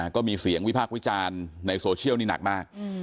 ก็มีเสียงวิพากษ์วิจารณ์ในโซเชียลนี่หนักมาก